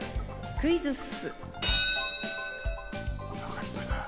クイズッス！